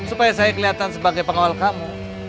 supaya saya kelihatan sebagai pengawal kamu